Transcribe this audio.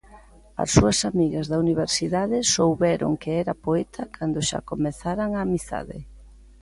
As súas amigas da Universidade souberon que era poeta cando xa comezaran a amizade.